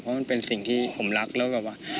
เพราะมันเป็นสิ่งที่ผมรักแล้วแบบว่า